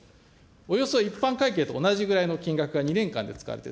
およそ一般会計と同じぐらいの金額が２年間で使われている。